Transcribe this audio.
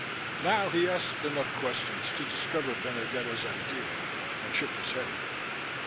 Now he asked enough questions to discover Benedetto's idea, and shook his head.